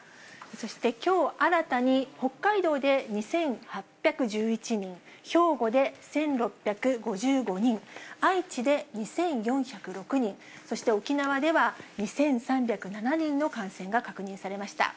そしてきょう、新たに北海道で２８１１人、兵庫で１６５５人、愛知で２４０６人、そして沖縄では２３０７人の感染が確認されました。